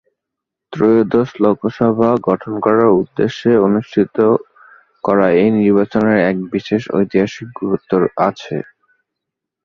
ত্রয়োদশ লোকসভা গঠন করার উদ্দেশে অনুষ্ঠিত করা এই নির্বাচনের এক বিশেষ ঐতিহাসিক গুরুত্ব আছে।